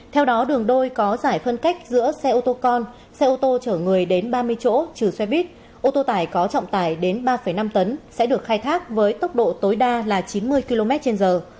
theo đó đường đôi có giải phân cách giữa xe ô tô con xe ô tô chở người đến ba mươi chỗ trừ xe buýt ô tô tải có trọng tải đến ba năm tấn sẽ được khai thác với tốc độ tối đa là chín mươi km trên giờ